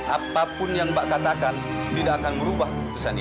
apapun yang mbak katakan tidak akan merubah keputusan ini